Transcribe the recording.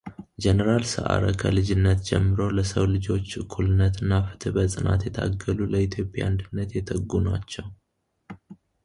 ጄኔራል ሰዓረ ከልጅነት ጀምሮ ለሰው ልጆች እኩልነትና ፍትሕ በጽናት የታገሉ ለኢትዮጵያ አንድነት የተጉ ናቸው